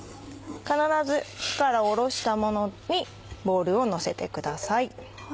必ず火から下ろしたものにボウルをのせてください。